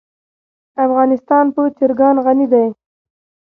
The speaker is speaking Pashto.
افغانستان په چرګان غني دی.